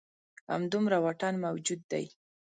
همدومره واټن موجود دی.